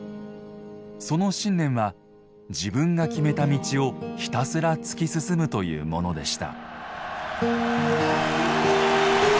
その信念は自分が決めた道をひたすら突き進むというものでした。